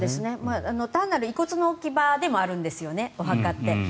単なる遺骨の置き場でもあるんですよねお墓って。